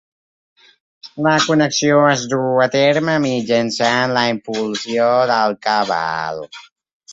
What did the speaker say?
La connexió es duu a terme mitjançant la impulsió del cabal.